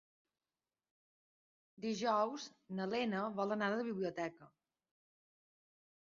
Dijous na Lena vol anar a la biblioteca.